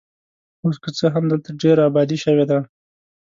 اوس که څه هم دلته ډېره ابادي شوې ده.